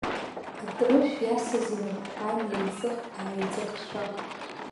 Атрышә иасыз инапқәа неиҵых-ааиҵыхшәа.